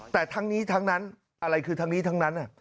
แต่ทั้งนี้ทั้งนั้นอะไรคือทั้งนี้ทั้งนั้น